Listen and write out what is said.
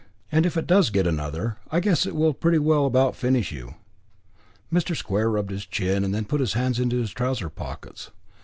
And if it does get another, I guess it will pretty well about finish you." Mr. Square rubbed his chin, and then put his hands into his trouser pockets.